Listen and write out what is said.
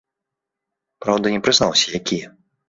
Праўда, не прызнаўся якія.